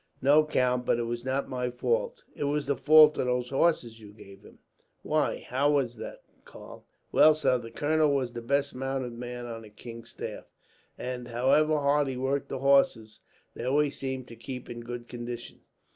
"No, count; but it was not my fault. It was the fault of those horses you gave him." "Why, how was that, Karl?" "Well, sir, the colonel was the best mounted man on the king's staff and, however hard he worked the horses, they always seemed to keep in good condition.